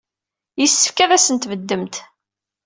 Yessefk ad asen-tbeddemt.